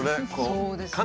そうですね。